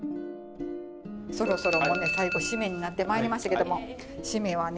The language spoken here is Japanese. そろそろね最後〆になってまいりましたけども〆はね